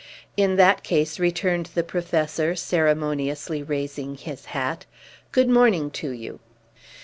"In that case," returned the Professor, ceremoniously raising his hat, "good morning to you."